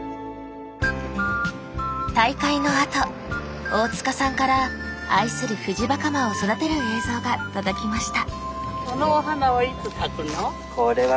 大会のあと大塚さんから愛するフジバカマを育てる映像が届きました。